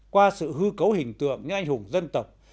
qua sự hư cấu hình tượng những anh hùng dân tộc